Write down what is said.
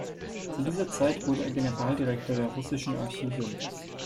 Zu dieser Zeit wurde er Generaldirektor der russischen Archive.